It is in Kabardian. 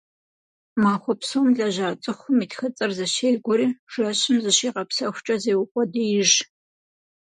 Махуэ псом лэжьа цӏыхум и тхыцӏэр зэщегуэри, жэщым, зыщигъэпсэхукӏэ, зеукъуэдииж.